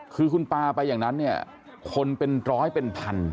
คือคุณปลาไปอย่างนั้นเนี่ยคนเป็นร้อยเป็นพัน